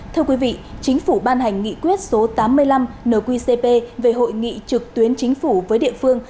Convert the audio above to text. thưa quý vị chính phủ ban hành nghị quyết số tám mươi năm nqcp về hội nghị trực tuyến chính phủ với địa phương